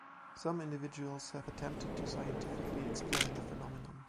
Some individuals have attempted to scientifically explain the phenomenon.